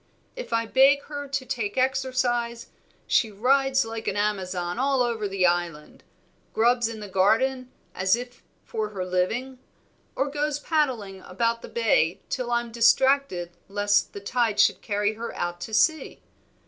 If I beg her to take exercise, she rides like an Amazon all over the Island, grubs in the garden as if for her living, or goes paddling about the bay till I'm distracted lest the tide should carry her out to sea.